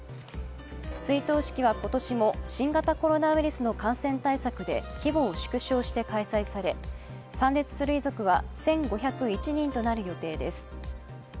追悼式は今年も新型コロナウイルスの感染対策で規模を縮小して開催され、参列する遺族は１５０１人となる予定です。